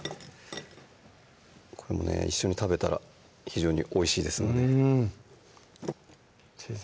これもね一緒に食べたら非常においしいですので先生